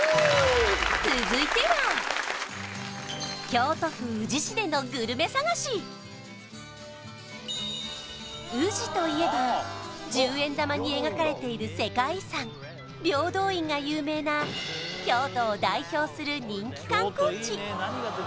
京都府・宇治市でのグルメ探し宇治といえば十円玉に描かれている世界遺産平等院が有名な京都を代表する